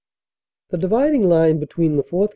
The dividing line between the 4th.